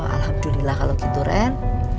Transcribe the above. alhamdulillah kalau gitu ren